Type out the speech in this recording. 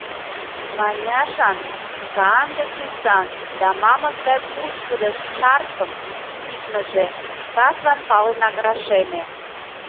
Маняшан канде тӱсан да мамык гай пушкыдо шарфым пидмыже каслан палынак рашеме.